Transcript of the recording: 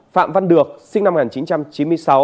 phạm văn được sinh năm một nghìn chín trăm chín mươi sáu